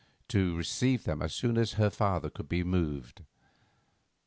to receive them as soon as her father could be moved.